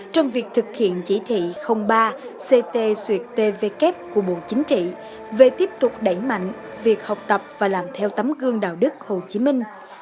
trong việc thực hiện chỉ thị ba ct xuyệt tvk của bộ chính trị về tiếp tục đẩy mạnh việc học tập và làm theo tấm gương đạo đức hồ chí minh